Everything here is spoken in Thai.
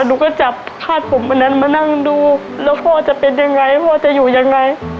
หนูก็จับคาดผมอันนั้นมานั่งดูแล้วพ่อจะเป็นยังไงพ่อจะอยู่ยังไง